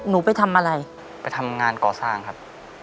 ไปทำอะไรไปทำงานก่อสร้างครับ